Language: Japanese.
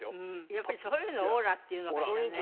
やっぱりそういうのをオーラって言うのかしらね。